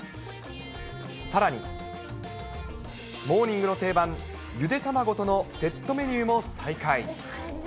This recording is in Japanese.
さらに、モーニングの定番、ゆで卵とのセットメニューも再開。